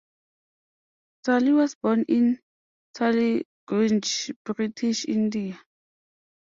Tully was born in Tollygunge, British India.